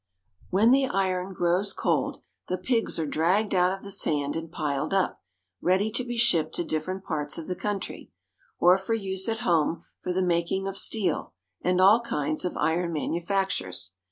223 When the iron grows cold, the pigs are dragged out of the sand and piled up, ready to be shipped to different parts of the country, or for use at home for the making of steel and all kinds of iron manufactures.